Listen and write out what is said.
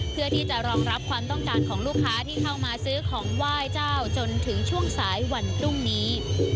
เพื่อที่จะรองรับความต้องการของลูกค้าที่เข้ามาซื้อของไหว้เจ้าจนถึงช่วงสายวันพรุ่งนี้